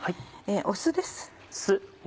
酢です。